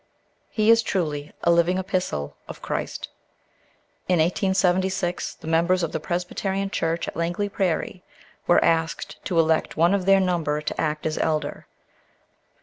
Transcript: He is truly a living epistle of Christ. In 1876 the members of the Presbyterian Church at Langley Prairie were asked to elect one of their number to act as elder.